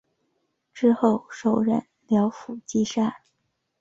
之后授任辽府纪善。